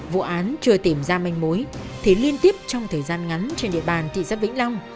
vụ án chưa tìm ra manh mối thì liên tiếp trong thời gian ngắn trên địa bàn thị xã vĩnh long